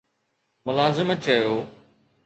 ملازم چيو